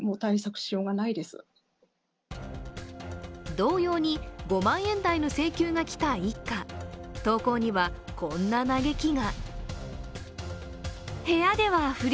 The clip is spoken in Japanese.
同様に５万円台の請求が来た一家投稿にはこんな嘆きが。